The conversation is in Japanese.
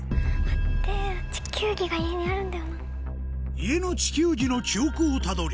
家の地球儀の記憶をたどり